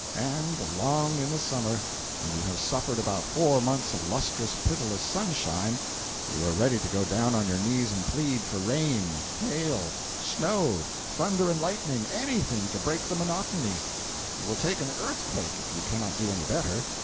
And along in the Summer, when you have suffered about four months of lustrous, pitiless sunshine, you are ready to go down on your knees and plead for rain—hail—snow—thunder and lightning—anything to break the monotony—you will take an earthquake, if you cannot do any better.